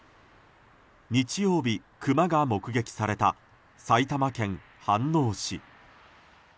日曜日、クマが目撃された埼玉県飯能市。